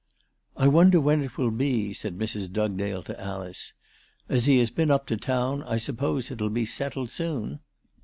" I wonder when it will be," said Mrs. Dugdale to Alice. " As he has been up to town I suppose it'll be settled soon."